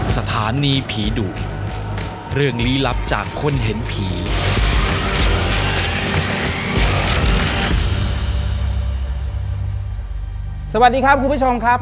สวัสดีครับคุณผู้ชมครับ